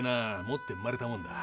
持って生まれたもんだ。